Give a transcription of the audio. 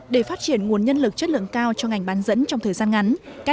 để phát triển nguồn nhân lực chất lượng cao cho ngành bán dẫn trong thời gian ngắn